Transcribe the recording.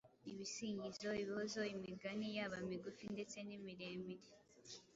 ibisingizo, ibihozo, imigani yaba imigufi ndetse n’imiremire,